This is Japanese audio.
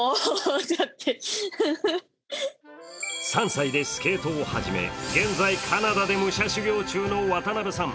３歳でスケートを始め、現在カナダで武者修行中の渡辺さん